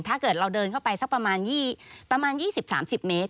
ถ้าเกิดเราเดินเข้าไปสักประมาณ๒๐๓๐เมตร